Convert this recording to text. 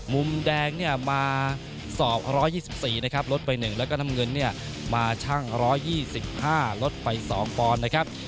มุมแดงเนี่ยมาศอบ๑๒๔มุมแดงลดไป๑แล้วก็หน้ามเงินมาทั้ง๑๒๕มุมแดงลดไป๒ปอนด์นะครับ